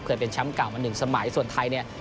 แชมป์เก่ามาหนึ่งสมัยส่วนไทยเนี่ย